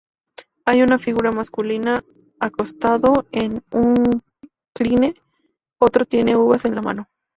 Hay una figura masculina acostado en un Kline, otro tiene uvas en la mano.